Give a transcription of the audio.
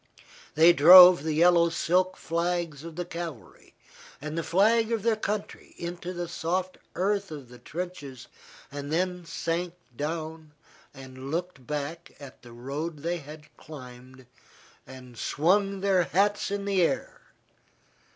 They drove the yellow silk flags of the cavalry and the flag of their country into the soft earth of the trenches, and then sank down and looked back at the road they had climbed and swung their hats in the air.